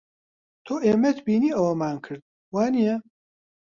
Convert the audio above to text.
تۆ ئێمەت بینی ئەوەمان کرد، وانییە؟